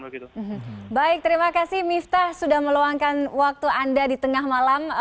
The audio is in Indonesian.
baik terima kasih miftah sudah meluangkan waktu anda di tengah malam